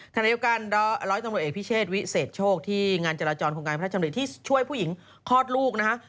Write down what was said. ท่านนายกการร้อยตรงโดยเอกพิเชศวิเศษโชคที่งานจราจรโครงการพระธรรมดิที่ช่วยผู้หญิงคลอดลูกนะฮะ